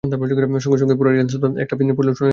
সঙ্গে সঙ্গে পুরা ইডেন স্তব্ধ, একটা পিন পড়লেও শোনা যেত তখন।